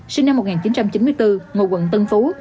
sinh năm một nghìn chín trăm chín mươi bốn ngụ quận tân phú